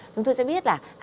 chúng tôi sẽ biết là